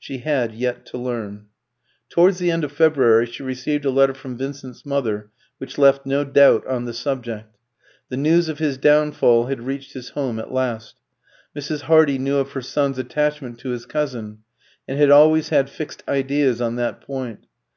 She had yet to learn. Towards the end of February she received a letter from Vincent's mother which left no doubt on the subject. The news of his downfall had reached his home at last. Mrs. Hardy knew of her son's attachment to his cousin, and had always had fixed ideas on that point.